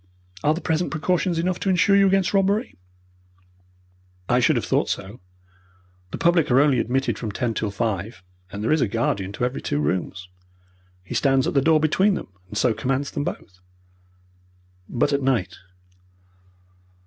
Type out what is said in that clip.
Are the present precautions enough to insure you against robbery?" "I should have thought so. The public are only admitted from ten till five, and there is a guardian to every two rooms. He stands at the door between them, and so commands them both." "But at night?"